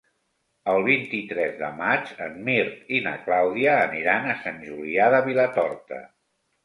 El vint-i-tres de maig en Mirt i na Clàudia aniran a Sant Julià de Vilatorta.